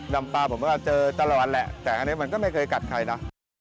ปลาผมก็เจอตลอดแหละแต่อันนี้มันก็ไม่เคยกัดใครนะ